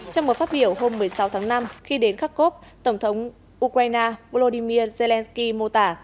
trong một phát biểu hôm một mươi sáu tháng năm khi đến kharkov tổng thống ukraine volodymyr zelensky mô tả